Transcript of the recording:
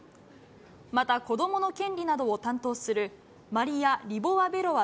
また子どもの権利などを担当するマリア・リボワベロワ